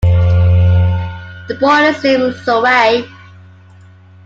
The boy is named Suraj.